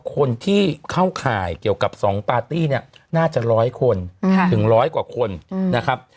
คนที่เข้าข่ายเกี่ยวกับ๒ปาร์ตี้เนี่ยน่าจะร้อยคนถึงร้อยกว่าคนนะครับ